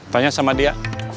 tanya sama dia